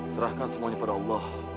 serahkan semuanya pada allah